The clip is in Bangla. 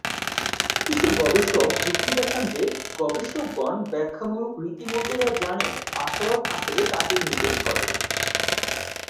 কিছু গবেষক যুক্তি দেখান যে গবেষকগণ ব্যাখ্যামূলক রীতি বলতে যা জানে আশাবাদ আসলে তাকেই নির্দেশ করে।